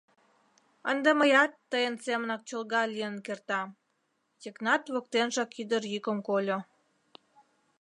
— Ынде мыят тыйын семынак чолга лийын кертам, — Йыгнат воктенжак ӱдыр йӱкым кольо.